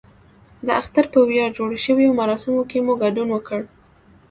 د اختر په ویاړ جوړو شویو مراسمو کې مو ګډون وکړ.